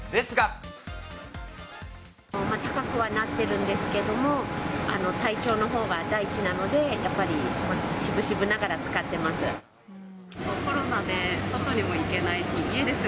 高くはなってるんですけど、体調のほうが第一なので、やっぱり渋々ながら使ってます。